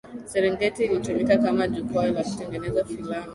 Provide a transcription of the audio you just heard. serengeti ilitumika kama jukwaa la kutengeneza filamu